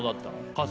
春日